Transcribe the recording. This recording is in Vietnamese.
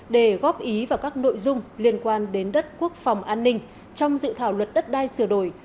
để góp ý vào các nội dung liên quan đến đất quốc phòng an ninh trong dự thảo luật đất đai sửa đổi